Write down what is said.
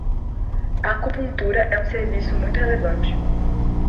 A acupuntura é um serviço muito relevante.